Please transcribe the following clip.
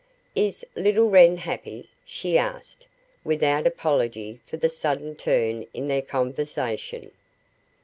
"Is little Wren happy?" she asked, without apology for the sudden turn in their conversation.